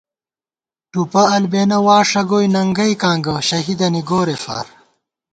ٹُوپہ البېنہ واݭہ گوئےننگئیکاں گہ شہیدَنی گورېفار